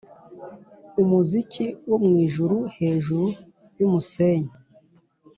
umuziki wo mwijuru hejuru yumusenyi